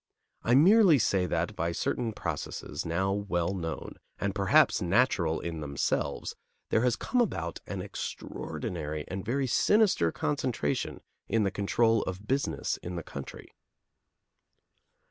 I merely say that, by certain processes, now well known, and perhaps natural in themselves, there has come about an extraordinary and very sinister concentration in the control of business in the country.